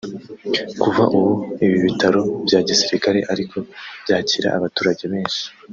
Kuva ubu ibi bitaro bya Gisirikare ariko byakira abaturage benshi